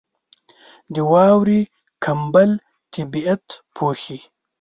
• د واورې کمبل طبیعت پوښي.